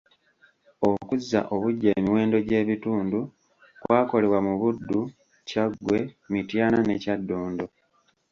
Okuzza obuggya emiwendo gy’ebitundu kwakolebwa mu Buddu, Kyaggwe, Mityana ne Kyaddondo.